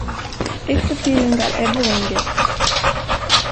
It's a feeling that everyone gets.